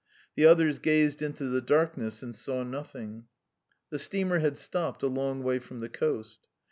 The others gazed into the darkness and saw nothing. The steamer had stopped a long way from the coast.